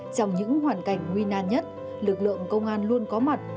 trong những hoàn cảnh nguy nan nhất lực lượng công an luôn có mặt